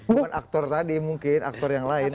bukan aktor tadi mungkin aktor yang lain